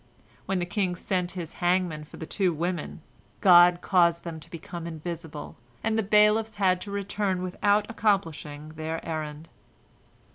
When the king sent his hangmen for the two women, God caused them to become invisible, and the bailiffs bad to return without accomplishing their errand.